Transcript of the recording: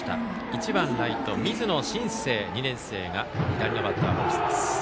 １番ライト、水野伸星２年生が左のバッターボックス。